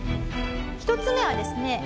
１つ目はですね